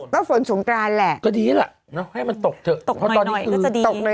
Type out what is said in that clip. ก็ฝนฉงกรานแหละก็ดีแหละให้มันตกเถอะตกหน่อยก็จะดี